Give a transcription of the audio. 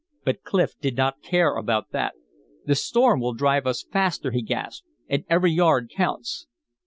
But Clif did not care about that. "The storm will drive us faster!" he gasped. "And every yard counts."